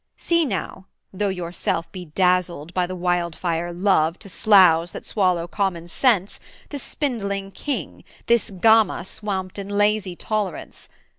See now, though yourself Be dazzled by the wildfire Love to sloughs That swallow common sense, the spindling king, This Gama swamped in lazy tolerance.